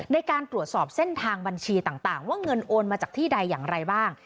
ในการตรวจสอบเส้นทางบัญชีต่างว่าเงินโอนมาจากที่ใดอย่างไรบ้าง